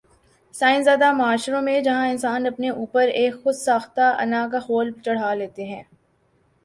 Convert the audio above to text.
science زدہ معاشروں میں جہاں انسان اپنے اوپر ایک خود ساختہ انا کا خول چڑھا لیتے ہیں